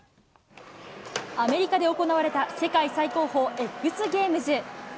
アメリカで行われた、世界最高峰Ｘゲームズ。